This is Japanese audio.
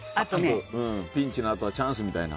ピンチのあとはチャンスみたいな。